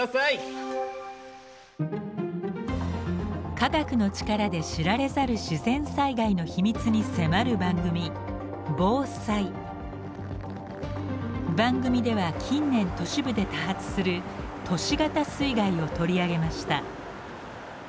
科学の力で知られざる自然災害の秘密に迫る番組番組では近年都市部で多発する「都市型水害」を取り上げました。